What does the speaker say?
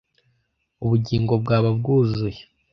ubugingo bwaba bwuzuye